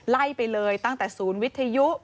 ไล่ไปเลยตั้งแต่ศูนย์วิทยุ